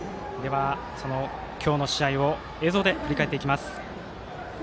今日の試合を映像で振り返っていきます。